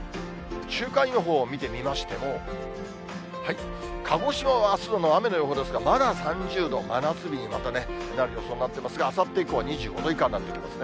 週間予報を見てみましても、鹿児島はあすは雨の予報ですが、まだ３０度、真夏日にまたなる予想になっていますが、あさって以降は２５度以下になってきますね。